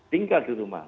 tinggal di rumah